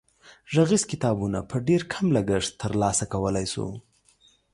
غږیز کتابونه په ډېر کم لګښت تر لاسه کولای شو.